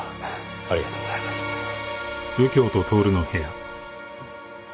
ありがとうございます。